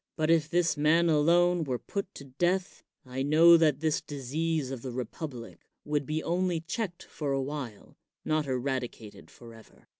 But if this man alone were put to death, I know that this disease of the republic would be only checked for a while, not eradicated forever.